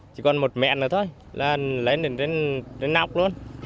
chỉ còn một mẹn nữa thôi lên đến trên nóc luôn